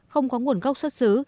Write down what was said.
không có nguồn gốc xuất xứ